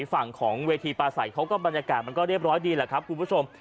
ฝั่งของเวทีปลาใสเขาก็บรรยากาศมันก็เรียบร้อยดีแหละครับคุณผู้ชม